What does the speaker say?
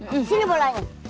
di sini bolanya